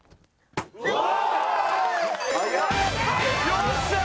よっしゃー！